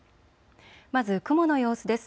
まず雲の様子です。